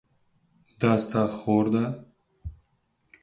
دا ستا خور ده؟